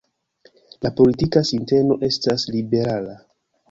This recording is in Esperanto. La politika sinteno estas liberala.